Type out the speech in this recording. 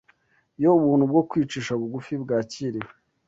Iyo ubuntu bwo kwicisha bugufi bwakiriwe